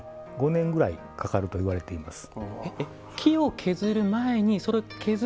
５年ぐらいかかるといわれています。